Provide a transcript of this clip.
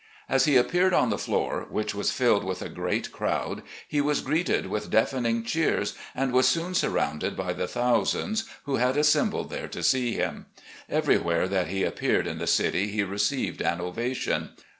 As he appeared on the floor, which was filled with a great crowd, he was greeted with deafening cheers, and was soon surrounded by the thousands who had assembled there to see him. Everywhere that he appeared in the city he received an ovation.